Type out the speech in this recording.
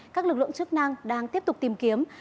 các lực lượng chức năng đang tiếp tục tìm kiếm